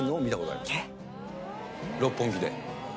六本木で。